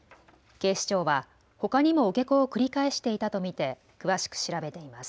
警視庁はほかにも受け子を繰り返していたと見て詳しく調べています。